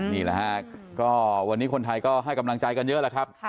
นี่แหละฮะก็วันนี้คนไทยก็ให้กำลังใจกันเยอะแหละครับ